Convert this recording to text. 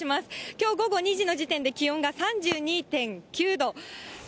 きょう午後２時の時点で気温が３２．９度。